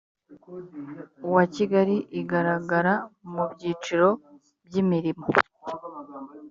wa kigali igaragara mu byiciro by imirimo